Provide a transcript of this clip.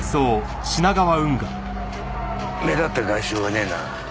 目立った外傷はねえな。